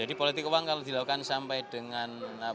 jadi politik uang kalau dilakukan sampai dengan